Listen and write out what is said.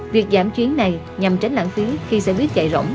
việc giảm chuyến này nhằm tránh lãng phí khi xe buýt chạy rỗng